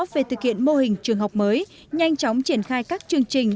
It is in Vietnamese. về thực hiện mô hình trường học mới nhanh chóng triển khai các chương trình